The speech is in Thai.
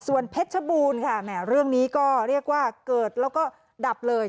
เพชรชบูรณ์ค่ะแหมเรื่องนี้ก็เรียกว่าเกิดแล้วก็ดับเลย